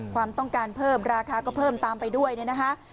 ความต้องการเพิ่มราคาก็เพิ่มตามไปด้วยเนี่ยนะคะ